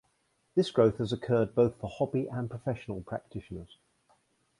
This growth has occurred both for hobby and professional practitioners.